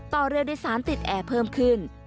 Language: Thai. ต่อเรือโดยสารติดแอร์เพิ่มขึ้น